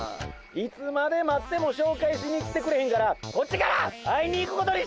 いつまで待ってもしょうかいしに来てくれへんからこっちから会いに行くことにしたわ！